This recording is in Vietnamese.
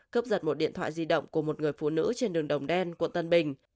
cướp giật một điện thoại di động của một người phụ nữ trên đường đồng đen quận tân bình